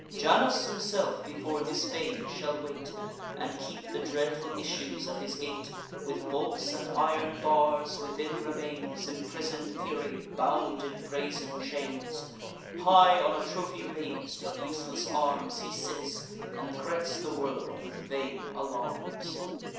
Janus himself before his fane shall wait, And keep the dreadful issues of his gate, With bolts and iron bars: within remains Imprison'd Fury, bound in brazen chains; High on a trophy rais'd, of useless arms, He sits, and threats the world with vain alarms."